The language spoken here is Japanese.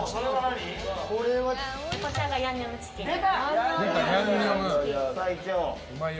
こちらがヤンニョムチキンです。